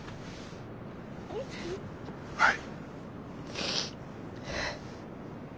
はい。